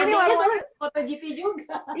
andainya selalu di kota jipi juga